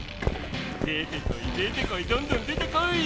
出てこい出てこいどんどん出てこい。